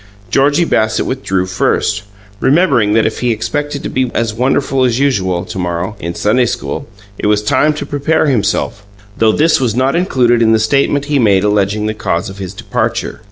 Georgie Bassett withdrew first, remembering that if he expected to be as wonderful as usual, to morrow, in Sunday school, it was time to prepare himself, though this was not included in the statement he made alleging the cause of his departure.